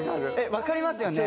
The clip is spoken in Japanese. わかりますよね？